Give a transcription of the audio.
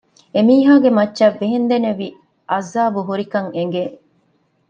އެމީހާގެ މައްޗަށް ވޭންދެނިވި ޢަޛާބު ހުރިކަން އެނގެ